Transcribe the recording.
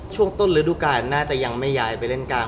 ช่วงต้นฤดูกาลน่าจะยังไม่ย้ายไปเล่นกลาง